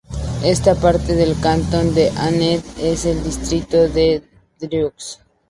Es parte del Cantón de Anet en el distrito de Dreux.